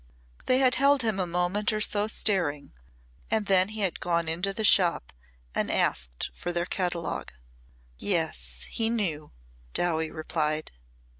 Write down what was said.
They had held him a moment or so staring and then he had gone into the shop and asked for their catalogue. "Yes, he knew," Dowie replied.